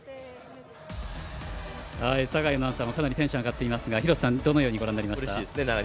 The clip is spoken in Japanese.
酒井アナウンサーもかなりテンション上がってますが廣瀬さん、どのようにご覧になりました？